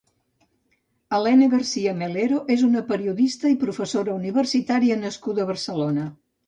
Helena Garcia Melero és una periodista i professora universitària nascuda a Barcelona.